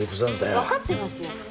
わかってますよ。